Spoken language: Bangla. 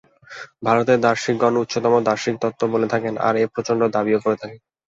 ভারতের দার্শনিকগণ উচ্চতম দার্শনিক তত্ত্ব বলে থাকেন, আর এই প্রচণ্ড দাবীও করে থাকেন।